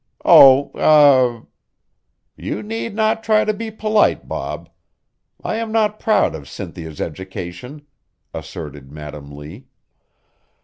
"Oh eh " "You need not try to be polite, Bob. I am not proud of Cynthia's education," asserted Madam Lee.